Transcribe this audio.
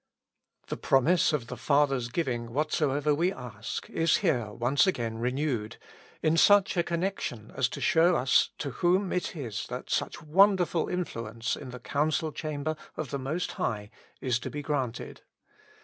THE promise of the Father's giving whatsoever we ask is here once again renewed, in such a connection as to show us to whom it is that such won derful influence in the council chamber of the Most High is to be granted.